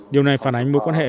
điều này phản ánh mối quan hệ